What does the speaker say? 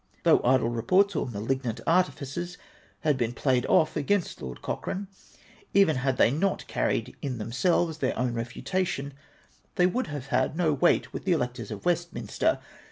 Though idle reports or malignant artifices had been played off against Lord Cochrane, even had they not carried in themselves their own refutation, they would have had no weight with the electors of Westminster.